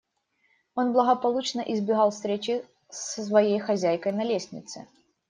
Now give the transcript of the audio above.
Он благополучно избегал встречи с своей хозяйкой на лестнице.